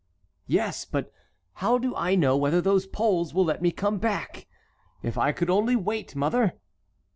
"Yes; but how do I know whether those Poles will let me come back? If I could only wait, mother!"